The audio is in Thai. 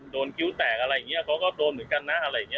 คิ้วแตกอะไรอย่างนี้เขาก็โดนเหมือนกันนะอะไรอย่างนี้